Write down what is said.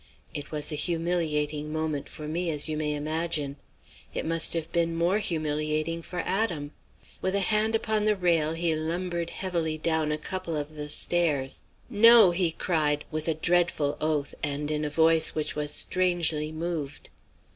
"It was a humiliating moment for me as you may imagine. It must have been more humiliating for Adam. With a hand upon the rail he lumbered heavily down a couple of the stairs. "'No!' he cried, with a dreadful oath and in a voice which was strangely moved.